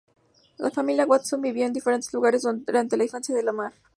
La familia Watson vivió en diferentes lugares durante la infancia de La Marr.